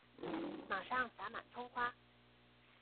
馬上灑滿蔥花